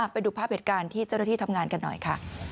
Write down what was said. ไปดูภาพเหตุการณ์ที่เจ้าหน้าที่ทำงานกันหน่อยค่ะ